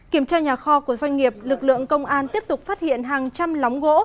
kiểm tra nhà kho của doanh nghiệp lực lượng công an tiếp tục phát hiện hàng trăm lóng gỗ